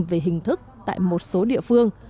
về hình thức tại một số địa phương